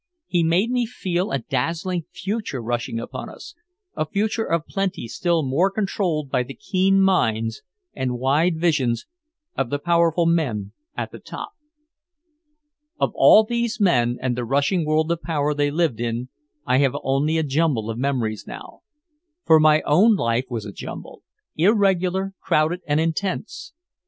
He made me feel a dazzling future rushing upon us, a future of plenty still more controlled by the keen minds and wide visions of the powerful men at the top. Of all these men and the rushing world of power they lived in, I have only a jumble of memories now. For my own life was a jumble irregular, crowded and intense.